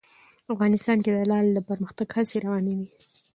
افغانستان کې د لعل د پرمختګ هڅې روانې دي.